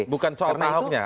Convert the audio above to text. bukan soal pak ahoknya